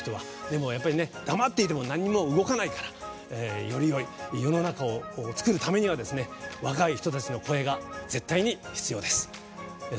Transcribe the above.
でも、黙っていてもなんにも動かないからよりよい世の中を作るためには若い人たちの声が絶対に必要です。